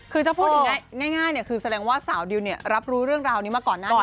คือจะพูดอย่างง่ายเนี่ยคือแสดงว่าสาวดิวเนี่ยรับรู้เรื่องราวนี้มาก่อนหน้านี้แล้ว